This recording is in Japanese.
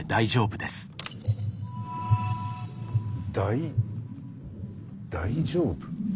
大大丈夫？